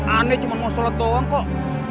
aneh cuma mau sholat doang kok